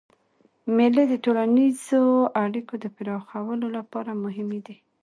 مېلې د ټولنیزو اړیکو د پراخولو له پاره مهمي دي.